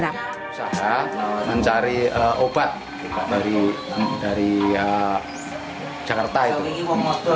berusaha mencari obat dari jakarta itu